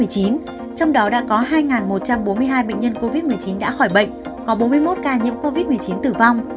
trong đó đã có hai một trăm bốn mươi hai bệnh nhân covid một mươi chín đã khỏi bệnh có bốn mươi một ca nhiễm covid một mươi chín tử vong